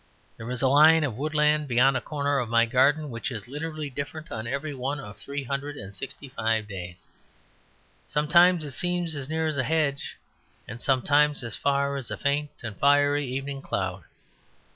There is a line of woodland beyond a corner of my garden which is literally different on every one of the three hundred and sixty five days. Sometimes it seems as near as a hedge, and sometimes as far as a faint and fiery evening cloud.